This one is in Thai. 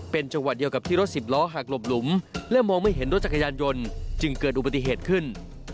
เป็นจังหวะเดียวกับที่รถสิบล้อหักหลบหลุมและมองไม่เห็นรถจักรยานยนต์จึงเกิดอุบัติเหตุขึ้น